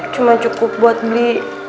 cuma cukup buat beli